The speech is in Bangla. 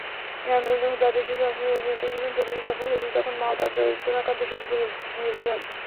এই আন্দোলন যখন প্রাদেশিক স্বায়ত্তশাসন প্রতিষ্ঠায় সফল হয়েছিল, তখন মাও তার জড়িত থাকার বিষয়টি ভুলে গিয়েছিলেন।